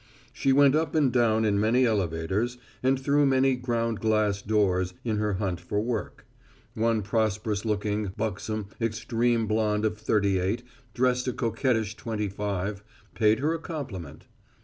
She went up and down in many elevators and through many ground glass doors in her hunt for work. One prosperous looking, buxom, extreme blonde of thirty eight, dressed a coquettish twenty five, paid her a compliment.